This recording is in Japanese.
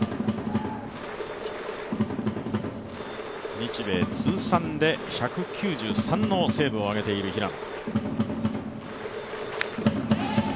日米通算で１９３のセーブを挙げている平野。